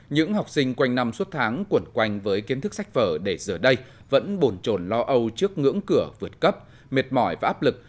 những học sinh quanh năm suốt tháng quẩn quanh với kiến thức sách vở để giờ đây vẫn bồn trồn lo âu trước ngưỡng cửa vượt cấp mệt mỏi và áp lực